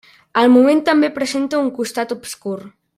El moment també presenta un costat obscur.